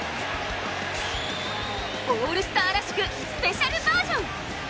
オールスターらしくスペシャルバージョン。